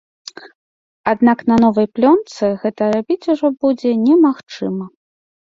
Аднак на новай плёнцы гэта рабіць ужо будзе немагчыма.